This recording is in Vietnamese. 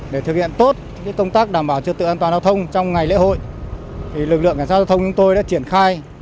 để thực hiện tốt công tác đảm bảo trường tự an toàn đào thông trong ngày lễ hội lực lượng cảnh sát đào thông chúng tôi đã triển khai